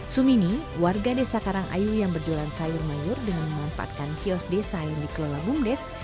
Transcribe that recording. sumini warga desa karangayu yang berjualan sayur mayur dengan memanfaatkan kios desa yang dikelola bumdes